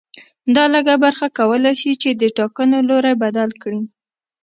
دا لږه برخه کولای شي چې د ټاکنو لوری بدل کړي